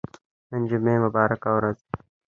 نن د جمعه مبارکه ورځ ده.